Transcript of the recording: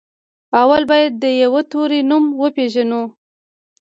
اول بايد د يوه توري نوم وپېژنو.